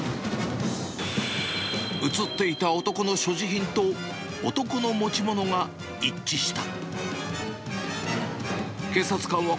写っていた男の所持品と、男の持ち物が一致した。